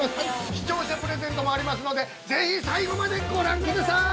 視聴者プレゼントもありますのでぜひ、最後までご覧ください！